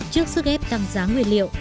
trước sức ép tăng giá nguyên liệu